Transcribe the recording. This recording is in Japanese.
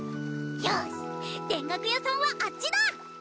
よし田楽屋さんはあっちだ！